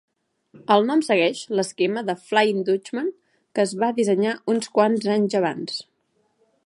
El nom segueix l'esquema del Flying Dutchman, que es va dissenyar uns quants anys abans.